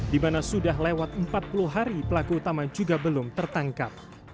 di mana sudah lewat empat puluh hari pelaku utama juga belum tertangkap